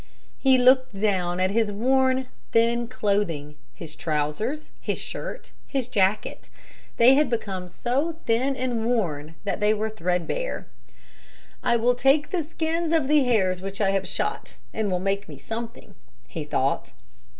He looked down at his worn, thin clothing, his trousers, his shirt, his jacket; they had become so thin and worn that they were threadbare. "I will take the skins of the hares which I have shot and will make me something," he thought.